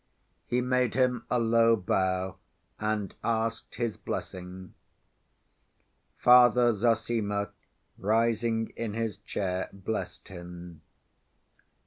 He made him a low bow, and asked his blessing. Father Zossima, rising in his chair, blessed him.